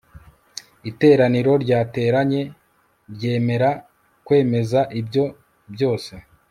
iteraniro ryateranye ryemera kwemeza ibyo byose